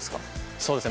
そうですね。